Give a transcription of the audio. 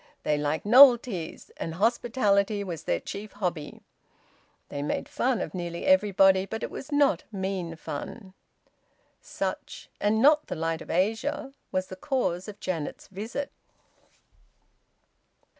They liked novelties, and hospitality was their chief hobby. They made fun of nearly every body, but it was not mean fun. Such, and not "The Light of Asia," was the cause of Janet's visit.